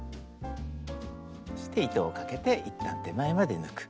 そして糸をかけて一旦手前まで抜く。